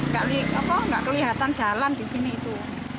nggak kelihatan jalan di sini itu